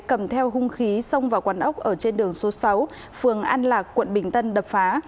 cầm theo hung khí xông vào quán ốc ở trên đường số sáu phường an lạc quận bình tân đập phá